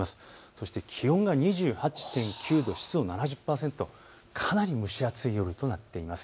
そして気温が２８．９度、湿度７０％、かなり蒸し暑い夜となっています。